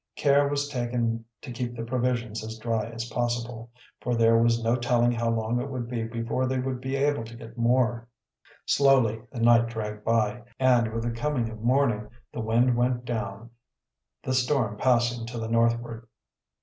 Care was taken to keep the provisions as dry as possible, for there was no telling how long it would be before they would be able to get more. Slowly the night dragged by, and, with the coming of morning, the wind went down, the storm passing to the northward.